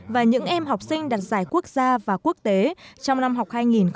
và những em học sinh đạt giải quốc gia và quốc tế trong năm học hai nghìn một mươi bảy hai nghìn một mươi tám